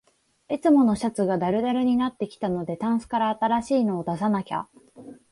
いつものシャツがだるだるになってきたので、タンスから新しいの出さなきゃ